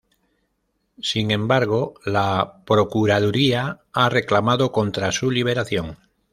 Sin embargo, la Procuraduría ha reclamado contra su liberación.